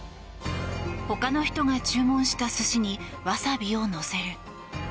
他の人が注文した寿司にわさびをのせる。